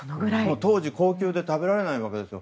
当時、高級で食べられないわけです。